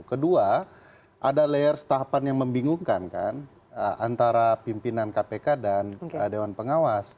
kedua ada layer setahapan yang membingungkan kan antara pimpinan kpk dan dewan pengawas